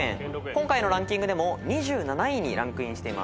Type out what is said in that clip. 今回のランキングでも２７位にランクインしています。